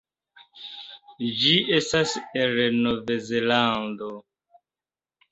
Ĝi estas el Novzelando.